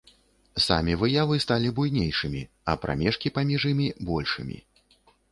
Самі выявы сталі буйнейшымі, а прамежкі паміж імі большымі.